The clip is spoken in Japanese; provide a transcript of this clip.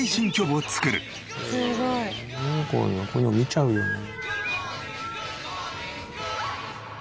こういうの見ちゃうよね。